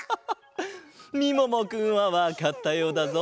みももくんはわかったようだぞ。